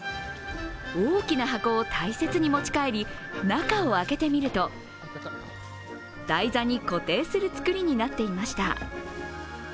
大きな箱を大切に持ち帰り中を開けてみると台座に固定するつくりになっていました。